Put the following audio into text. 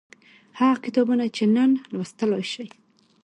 هغه کتابونه چې نن لوستلای شئ